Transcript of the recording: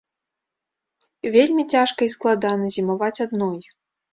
Вельмі цяжка і складана зімаваць адной.